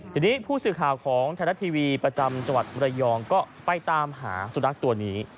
ทีนี้ผู้สื่อข่าวของไทยรัฐทีวีประจำจังหวัดมรยองก็ไปตามหาสุนัขตัวนี้